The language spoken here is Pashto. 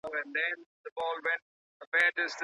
په قلم لیکنه کول د ښوونځي د بنسټیزو مهارتونو څخه دی.